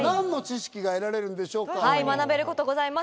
学べることございます